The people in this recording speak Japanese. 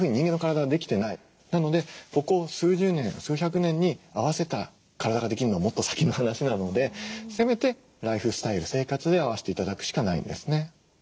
なのでここ数十年数百年に合わせた体ができるのはもっと先の話なのでせめてライフスタイル生活で合わせて頂くしかないんですね。